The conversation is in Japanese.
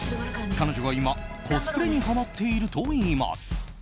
彼女が今コスプレにハマっているといいます。